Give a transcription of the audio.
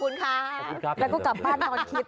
แล้วก็กลับบ้านนอนคิด